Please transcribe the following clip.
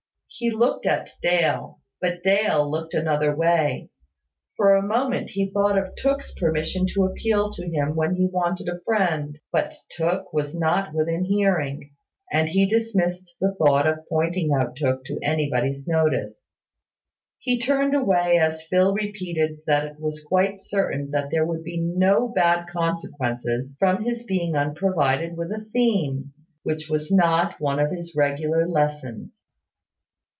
He looked at Dale; but Dale looked another way. For a moment he thought of Tooke's permission to appeal to him when he wanted a friend: but Tooke was not within hearing; and he dismissed the thought of pointing out Tooke to anybody's notice. He turned away as Phil repeated that it was quite certain that there would be no bad consequences from his being unprovided with a theme, which was not one of his regular lessons.